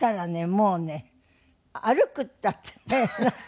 もうね歩くったってねなんかね